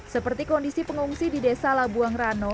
seperti kondisi pengungsi di desa labuang rano